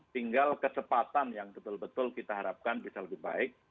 tinggal kecepatan yang betul betul kita harapkan bisa lebih baik